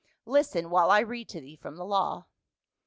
Listen, while I read to thee from the law.